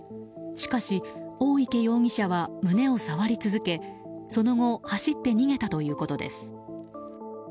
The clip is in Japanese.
しかし、大池容疑者は胸を触り続けその後走って逃げたということです。